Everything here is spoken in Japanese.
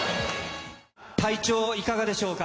体調いかがでしょうか？